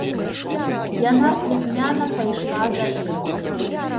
Яна слухмяна пайшла за ім.